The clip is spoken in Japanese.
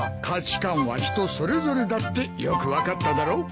価値観は人それぞれだってよく分かっただろ。